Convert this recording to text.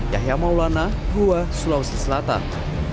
yahya maulana goa sulawesi selatan